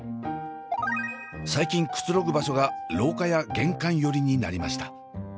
最近くつろぐ場所が廊下や玄関寄りになりました。